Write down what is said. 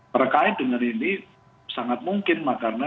perkait dengan ini sangat mungkin karena